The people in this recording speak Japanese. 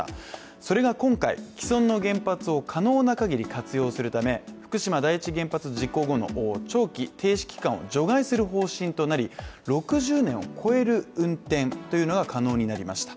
それが今回、既存の原発を可能なかぎり活用するため、福島第一原発事故後の、長期停止期間を除外する方針となり６０年を超える運転が可能になりました。